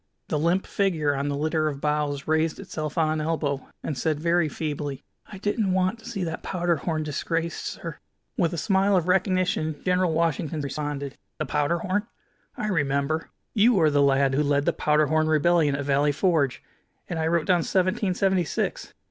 The limp figure on the litter of boughs raised itself on an elbow, and said very feebly: "I didn't want to see that powder horn disgraced, sir." With a smile of recognition General Washington responded: "The powder horn? I remember. You are the lad who led the powder horn rebellion at Valley Forge. And I wrote down 'Seventeen seventy six.'